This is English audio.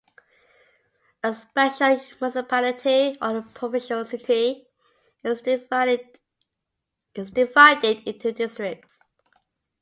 A special municipality or a provincial city is divided into districts.